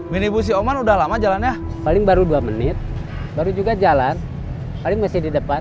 minibusi oman udah lama jalannya paling baru dua menit baru juga jalan paling masih di depan